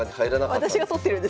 私が撮ってるんです